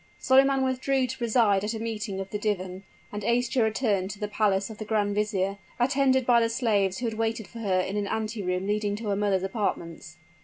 Solyman withdrew to preside at a meeting of the divan; and Aischa returned to the palace of the grand vizier, attended by the slaves who had waited for her in an anteroom leading to her mother's apartments.